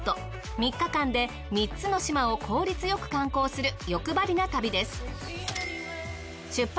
３日間で３つの島を効率よく観光するよくばりな旅です。